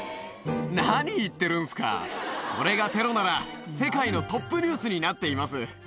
何言ってるんすか、これがテロなら、世界のトップニュースになっています。